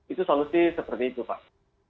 itu solusi seperti itu pak